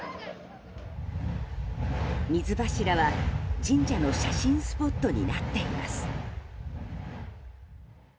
水柱は神社の写真スポットになっています。